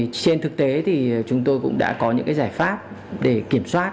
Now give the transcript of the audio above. trên thực tế thì chúng tôi cũng đã có những giải pháp để kiểm soát